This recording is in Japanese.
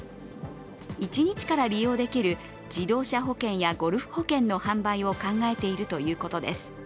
１日から利用できる自動車保険やゴルフ保険の販売を考えているということです。